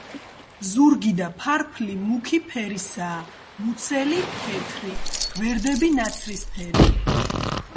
ზურგი და ფარფლი მუქი ფერისაა, მუცელი თეთრი, გვერდები ნაცრისფერი.